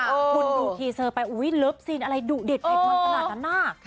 คุณดูทีเซอร์ไปอุ้ยลับสีนอะไรดุเด็ดไปกวนสรรค์ตานา